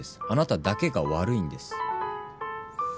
あなただけが悪いんです。